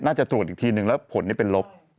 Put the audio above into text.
น่าจะตรวจอีกทีนึงแล้วผลนี่เป็นลบ